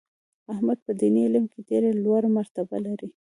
احمد په دیني علم کې ډېره لوړه مرتبه لري.